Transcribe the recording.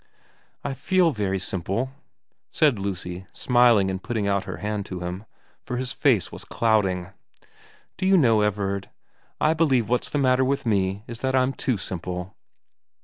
* I feel very simple,' said Lucy, smiling and putting out her hand to him, for his face was clouding. ' Do you know, Everard, I believe what's the matter with me is that I'm too simple.'